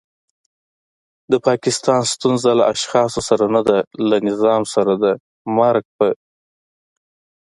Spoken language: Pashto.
د پاکستان ستونزه له اشخاصو سره نده له نظام سره دی. مرګ په